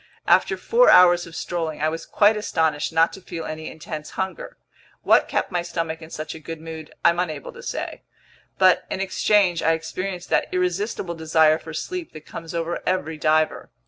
After four hours of strolling, I was quite astonished not to feel any intense hunger. What kept my stomach in such a good mood I'm unable to say. But, in exchange, I experienced that irresistible desire for sleep that comes over every diver.